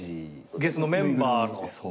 ゲスのメンバーの？